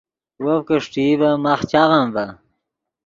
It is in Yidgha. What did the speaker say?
وف کہ اݰٹئی ڤے ماخ چاغم ڤے